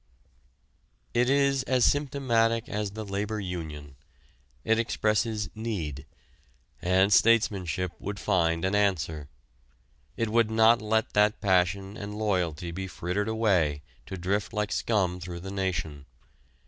It is as symptomatic as the labor union. It expresses need. And statesmanship would find an answer. It would not let that passion and loyalty be frittered away to drift like scum through the nation.